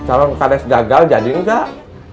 calon kkdx gagal jadi gak